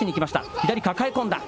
左抱え込んだ。